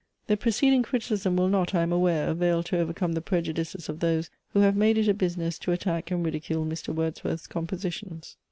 The preceding criticism will not, I am aware, avail to overcome the prejudices of those, who have made it a business to attack and ridicule Mr. Wordsworth's compositions.